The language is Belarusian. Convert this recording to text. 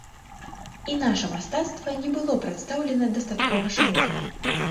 І наша мастацтва не было прадстаўлена дастаткова шырока.